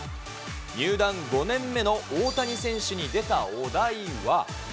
入団５年目の大谷選手に出たお題は。